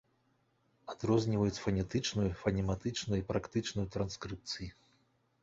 Адрозніваюць фанетычную, фанематычную і практычную транскрыпцыі.